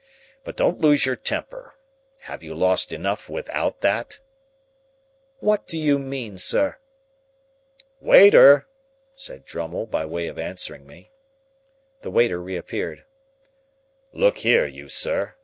But don't lose your temper. Haven't you lost enough without that?" "What do you mean, sir?" "Waiter!" said Drummle, by way of answering me. The waiter reappeared. "Look here, you sir.